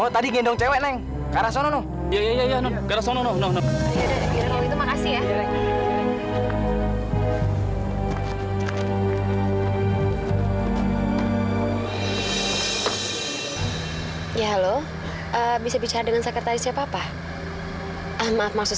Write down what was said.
tapi siapa emang gadis itu